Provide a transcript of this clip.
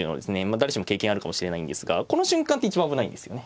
誰しも経験あるかもしれないんですがこの瞬間って一番危ないんですよね。